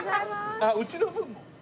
あっうちの分？